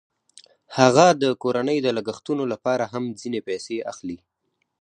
هغه د کورنۍ د لګښتونو لپاره هم ځینې پیسې اخلي